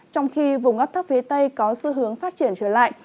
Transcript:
trong khi vùng ấp thấp phía tây có xu hướng phát triển trở lại